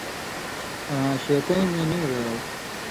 آں شېطَیں مِیں نِیڙ ایاؤ۔